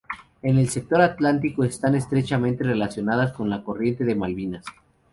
En el sector atlántico están estrechamente relacionadas con la corriente de Malvinas.